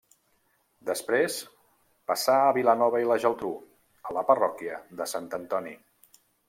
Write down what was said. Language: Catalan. Després passà a Vilanova i la Geltrú, a la parròquia de Sant Antoni.